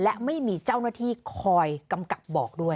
และไม่มีเจ้าหน้าที่คอยกำกับบอกด้วย